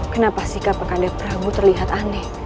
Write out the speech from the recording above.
kenapa sikap kakak anda peranggu terlihat aneh